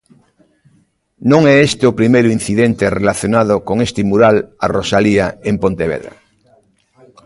Non é este o primeiro incidente relacionado con este mural a Rosalía en Pontevedra.